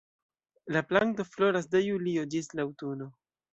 La planto floras de julio ĝis la aŭtuno.